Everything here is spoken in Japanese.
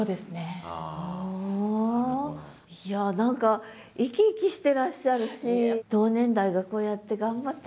いや何か生き生きしてらっしゃるし同年代がこうやって頑張ってらっしゃる。